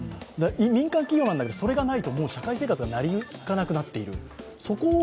民間企業なんだけど、それがないと社会生活が成り行かなくなっている。